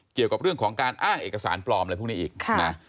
เกี่ยวกับเรื่องของการอ้างเอกสารปลอมอะไรพวกนี้อีกนะ